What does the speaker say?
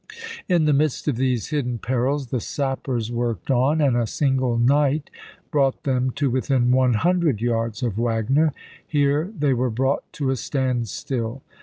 In the midst of these hidden perils the sappers worked on, and a single night brought them to within one hundred yards of Wagner. Here they were brought to a standstill.